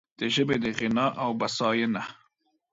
د ژبې غنا او بسیاینه